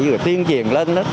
rồi tiên triền lên hết